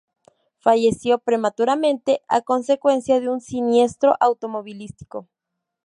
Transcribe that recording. Falleció prematuramente a consecuencia de un siniestro automovilístico.